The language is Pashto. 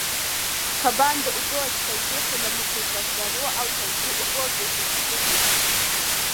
کبان د اوبو تودوخې له مخې په سړو او تودو اوبو وېشل شوي.